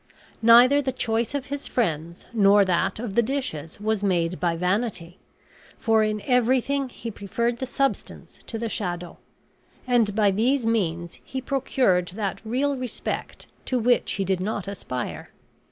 Neither the choice of his friends, nor that of the dishes was made by vanity; for in everything he preferred the substance to the shadow; and by these means he procured that real respect to which he did not aspire.